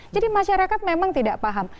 jadi masyarakat memang tidak paham